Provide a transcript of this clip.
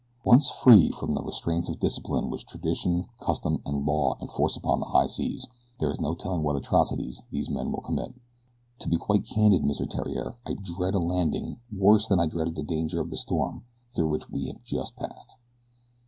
Once free from the restraints of discipline which tradition, custom, and law enforce upon the high seas there is no telling what atrocities these men will commit. To be quite candid, Mr. Theriere, I dread a landing worse than I dreaded the dangers of the storm through which we have just passed."